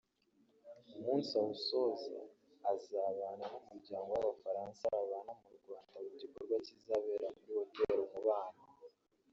umunsi awusoze asabana n’Umuryango w’Abafaransa baba mu Rwanda mu gikorwa kizabera muri Hôtel Umubano